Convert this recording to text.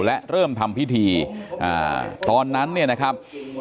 และเริ่มทำพิธีตอนนั้นเนี่ยนะครับ